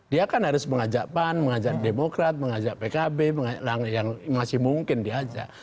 dia kan harus mengajak pan mengajak demokrat mengajak pkb yang masih mungkin diajak